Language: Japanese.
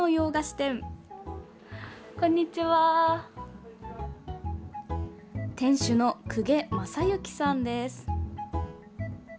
店主の久家方幸さんです。